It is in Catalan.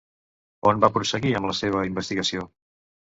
On va prosseguir amb la seva investigació?